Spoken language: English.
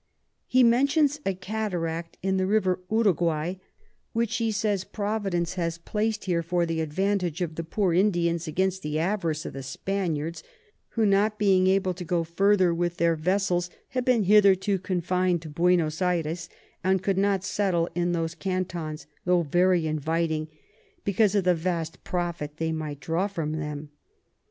He mentions a Cataract in the River Uruquay, which he says Providence has plac'd here for the advantage of the poor Indians against the Avarice of the Spaniards; who not being able to go further with their Vessels, have been hitherto confin'd to Buenos Ayres, and could not settle in those Cantons, tho very inviting, because of the vast Profit they might draw from them.